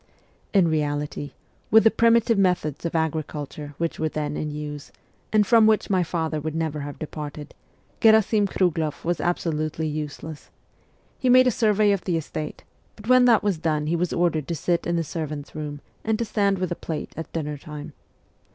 In reality, with the primitive methods of agri culture which were then in use, and from which my father would never have departed, Gherasim Krugloff was absolutely useless. He made a survey of the estate, but when that was done he was ordered to sit in the servants' room and to stand with a plate at dinner time.